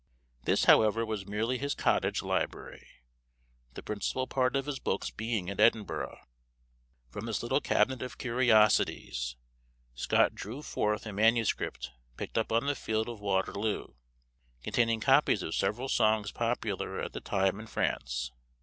This, however, was merely his cottage library, the principal part of his books being at Edinburgh. From this little cabinet of curiosities Scott drew forth a manuscript picked up on the field of Waterloo, containing copies of several songs popular at the time in France.